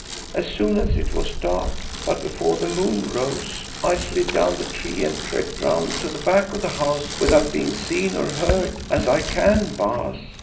As soon as it was dark, but before the moon rose, I slid down the tree and crept round to the back of the house without being seen or heard, as I can, Baas.